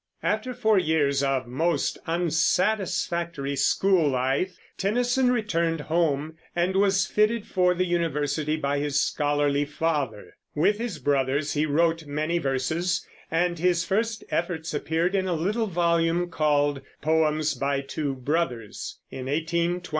After four years of most unsatisfactory school life, Tennyson returned home, and was fitted for the university by his scholarly father. With his brothers he wrote many verses, and his first efforts appeared in a little volume called Poems by Two Brothers, in 1827.